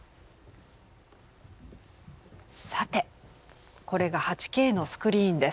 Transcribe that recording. さてこれが８Ｋのスクリーンです。